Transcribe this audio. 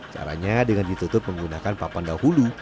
caranya dengan ditutup menggunakan papan dahulu